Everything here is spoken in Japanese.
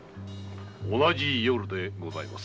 同じ夜でございます。